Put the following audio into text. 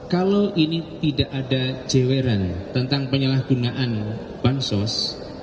kalau ini tidak ada jeweran tentang penyalahgunaan bansos